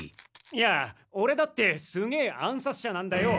いやオレだってすげえ暗殺者なんだよ。